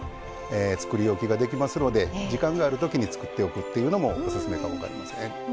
作り置きができますので時間があるときに作っておっていうのもオススメかも分かりません。